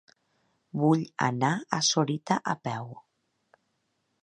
Vull anar a Sorita a peu.